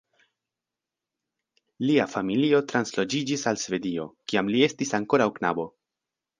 Lia familio transloĝiĝis al Svedio, kiam li estis ankoraŭ knabo.